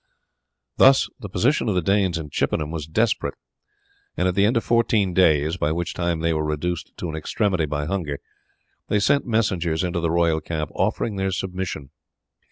Thus the position of the Danes in Chippenham was desperate, and at the end of fourteen days, by which time they were reduced to an extremity by hunger, they sent messengers into the royal camp offering their submission.